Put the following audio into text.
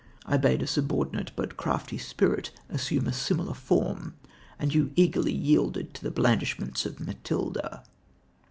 I bade a subordinate but crafty spirit assume a similar form, and you eagerly yielded to the blandishments of Matilda."